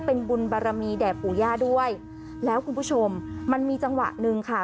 เป็นบุญบารมีแด่ปู่ย่าด้วยแล้วคุณผู้ชมมันมีจังหวะหนึ่งค่ะ